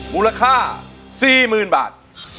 มูลค่า๔๐๐๐บาท